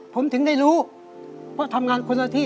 ผมถึงได้รู้ว่าทำงานคนละที่